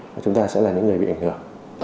và chúng ta sẽ là những người bị ảnh hưởng